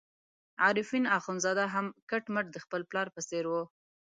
عارفین اخندزاده هم کټ مټ د خپل پلار په څېر وو.